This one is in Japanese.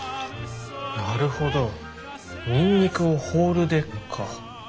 なるほどニンニクをホールでか。